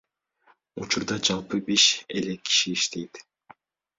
Учурда жалпы беш эле киши иштейт.